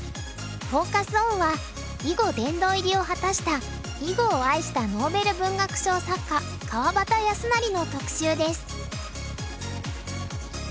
フォーカス・オンは囲碁殿堂入りを果たした「囲碁を愛したノーベル文学賞作家川端康成」の特集です。